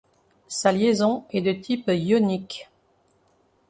Sa liaison est de type ionique.